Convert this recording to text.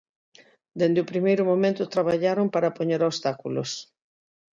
Dende o primeiro momento traballaron para poñer obstáculos.